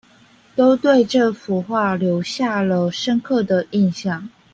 都對這幅畫留下了深刻的印象